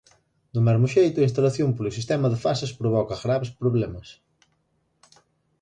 Do mesmo xeito, a instalación polo sistema de fases provoca graves problemas.